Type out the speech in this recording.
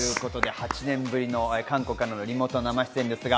８年ぶりの韓国のリモート生出演です。